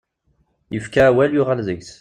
Yefka awal, yuɣal deg-s.